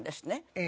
ええ。